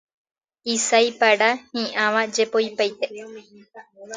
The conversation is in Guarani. isái para, hi'áva jepoipaite